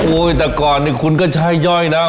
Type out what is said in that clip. โอ้ยแต่ก่อนคุณก็ใช่ย่อยนะ